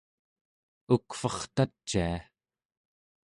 ukvertacia